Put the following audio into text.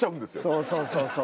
そうそうそうそう。